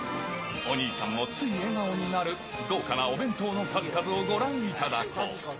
お兄さんもつい笑顔になる豪華なお弁当の数々をご覧いただこう。